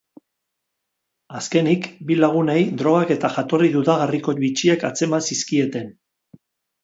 Azkenik, bi lagunei drogak eta jatorri dudagarriko bitxiak atzeman zizkieten.